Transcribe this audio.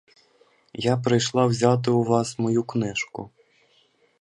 Я прийшла взяти у вас мою книжку.